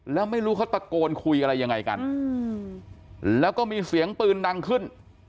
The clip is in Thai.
แล้วไม่รู้เขาตะโกนคุยอะไรยังไงกันแล้วก็มีเสียงปืนดังขึ้น